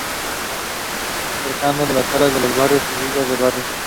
Cercano a Salas de los Barrios y Villar de los Barrios.